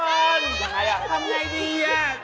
ทำอย่างไรทำอย่างไรดี